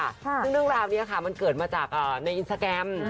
ซึ่งเรื่องราวนี้เกิดมาจากในอินทราแกรม